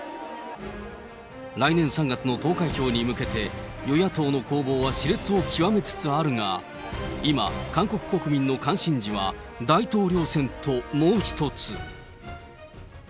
来年３月の投開票に向けて、与野党の攻防はし烈を極めつつあるが、今、韓国国民の関心事は大統領選と、もう一つ。